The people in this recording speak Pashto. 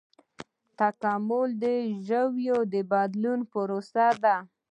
تکامل د ژویو د بدلون پروسه ده